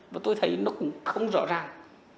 và tôi thấy nó cũng không rõ ràng